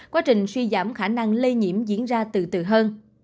quá trình suy giảm khả năng lây nhiễm diễn ra từ từ hơn